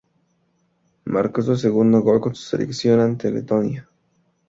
Marcó su segundo gol con su selección ante Letonia.